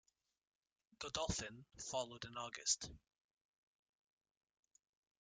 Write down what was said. Godolphin followed in August.